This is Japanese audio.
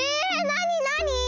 なになに？